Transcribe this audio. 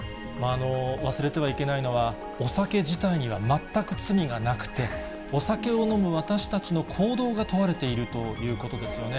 忘れてはいけないのは、お酒自体には全く罪がなくて、お酒を飲む私たちの行動が問われているということですよね。